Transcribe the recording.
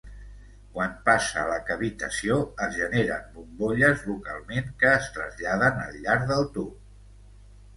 Quan passa la cavitació, es generen bombolles localment, que es traslladen al llarg del tub.